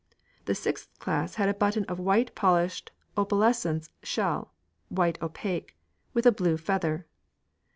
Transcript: The sixth class had a button of white polished opalescent shell white opaque with a blue feather.